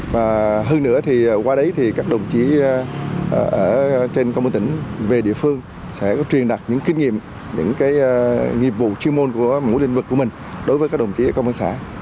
và hơn nữa thì qua đấy thì các đồng chí ở trên công an tỉnh về địa phương sẽ có truyền đặt những kinh nghiệm những cái nghiệp vụ chuyên môn của mỗi lĩnh vực của mình đối với các đồng chí ở công an xã